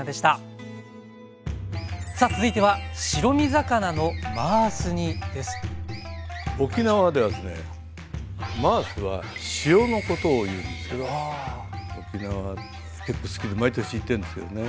さあ続いては沖縄ではですね「マース」は塩のことをいうんですけど沖縄は結構好きで毎年行ってんですけどね。